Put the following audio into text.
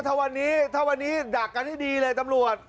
ถ้าวันนี้ถ้าวันนี้ดักกันให้ดีเลยตำรวจ